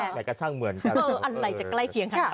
อุ๊ยแหมดกะชั่งเหมือนกันนะครับค่ะอืออันไหลจากใกล้เคียงค่ะ